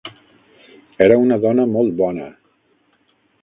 Era una dona molt bona!